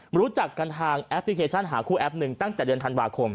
รู้จักกันทางแอปพลิเคชันหาคู่แอปหนึ่งตั้งแต่เดือนธันวาคม